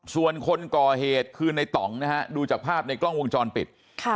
ส่วนคนก่อเหตุคือในต่องนะฮะดูจากภาพในกล้องวงจรปิด